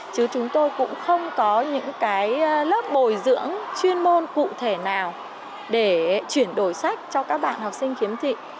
chứ chúng tôi cũng không có những cái lớp bồi dưỡng chuyên môn cụ thể nào để chuyển đổi sách cho các bạn học sinh khiếm thị